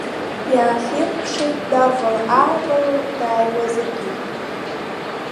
Иаахиркәшеит, днавала-аавало дааиуазаргьы.